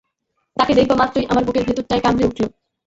তাকে দেখবামাত্রই আমার বুকের ভিতরটায় কামড়ে উঠল।